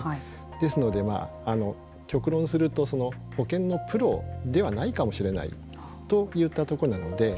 ですので、極論すると保険のプロではないかもしれないといったところなので。